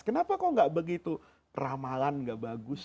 kenapa kok tidak begitu ramalan tidak bagus